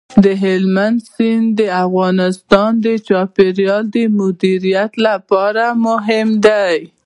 هلمند سیند د افغانستان د چاپیریال د مدیریت لپاره مهم دي.